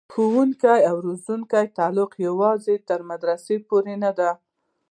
د ښوونې او روزنې تعلق یوازې تر مدرسې پورې نه دی.